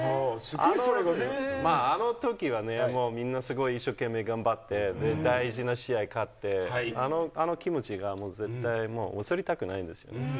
あのときはね、みんなすごい一生懸命頑張って、大事な試合勝って、あの気持ちがもう絶対もう、忘れたくないんですよ。